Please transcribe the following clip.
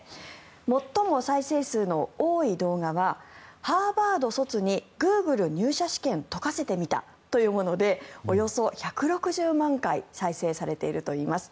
最も再生数の多い動画は「ハーバード卒にＧｏｏｇｌｅ入社試験解かせてみた」というものでおよそ１６０万回再生されているといいます。